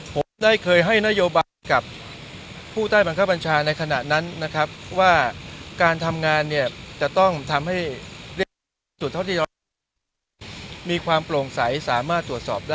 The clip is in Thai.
ผมได้เคยให้นโยบายกับผู้ใต้บังคับบัญชาในขณะนั้นนะครับว่าการทำงานเนี่ยจะต้องทำให้เรียกจุดเท่าที่ยอมมีความโปร่งใสสามารถตรวจสอบได้